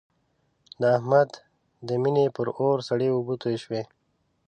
د احمد د مینې پر اور سړې اوبه توی شوې.